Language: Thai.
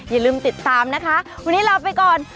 อย่าลืมติดตามนะคะวันนี้ลาไปก่อน